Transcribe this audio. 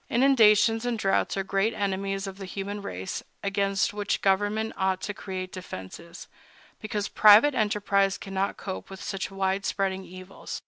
Inundations and droughts are great enemies of the human race, against which government ought to create defenses, because private enterprise cannot cope with such wide spreading evils.